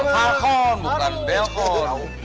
balkon bukan balkon